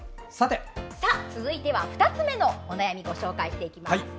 続いては２つ目のお悩みご紹介します。